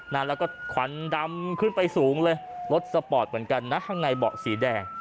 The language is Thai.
แล้วก็ควันดำขึ้นไปสูงเลยรถสปอร์ตเหมือนกันนะข้างในเบาะสีแดง